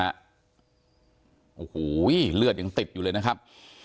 โอ้โหเลือดยังติดอยู่เลยนะครับ